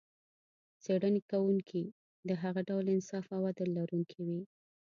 څېړنې کوونکي د هغه ډول انصاف او عدل لرونکي و.